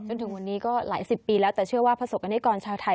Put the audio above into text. จนถึงวันนี้ก็หลายสิบปีแล้วแต่เชื่อว่าประสบกรณิกรชาวไทย